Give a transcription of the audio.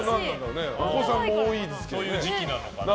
お子さんも多いですけどね。